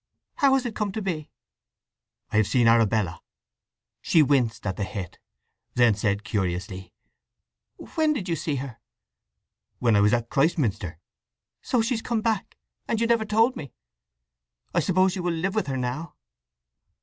How has it come to be?" "I've seen Arabella." She winced at the hit; then said curiously, "When did you see her?" "When I was at Christminster." "So she's come back; and you never told me! I suppose you will live with her now?"